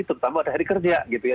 terutama pada hari kerja gitu ya